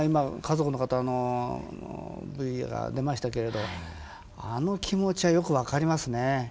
家族の方のＶが出ましたけれどあの気持ちはよく分かりますね。